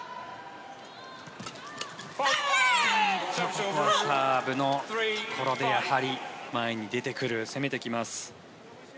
ここはサーブのところでやはり前に出てくる攻めてきます。